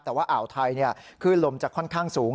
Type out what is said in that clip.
แต่ว่าอ่าวไทยคลื่นลมจะค่อนข้างสูง